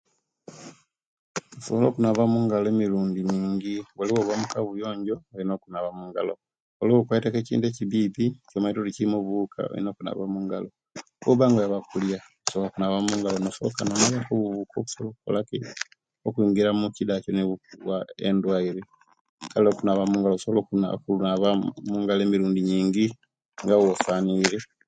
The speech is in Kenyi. Osobola okunaaba omungalo emirindu mingi buli owoviire omu'kawuyonjo, olina okunaba omu'ngalo; buli okwaite ku ekintu ekibibi, olina okunaba, omaite nga kirimu obuwuka, olina okunaba omungalo; oba nga oyaba kulya, osoka no'naaba omugalo no'toolamu obuwuka okusobola okuyingira omukida Kyo ne'bukuwa obulwaire kale osobola okunaaba omungalo emirundi mingi nga owosanile.